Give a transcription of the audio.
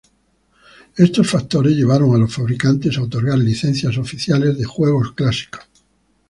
Estos factores llevaron a los fabricantes a otorgar licencias oficiales de juegos clásicos.